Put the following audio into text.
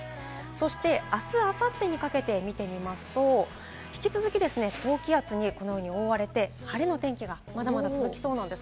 そして明日、明後日にかけて見てみますと、引き続き高気圧に覆われて晴れの天気がまだまだ続きそうです。